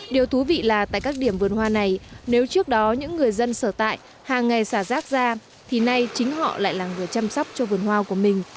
điều thú vị là tại các điểm vườn hoa này nếu trước đó những người dân sở tại hàng ngày xả rác ra thì nay chính họ lại là người chăm sóc cho vườn hoa của mình